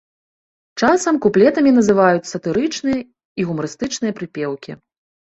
Часам куплетамі называюць сатырычныя і гумарыстычныя прыпеўкі.